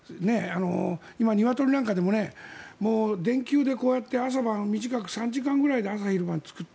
今、ニワトリなんかでも電球でこうやって朝晩短く３時間ぐらいで朝昼晩作って